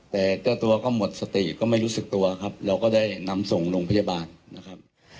แต่เจ้าตัวก็หมดสติก็ไม่รู้สึกตัวครับเราก็ได้นำส่งโรงพยาบาลนะครับ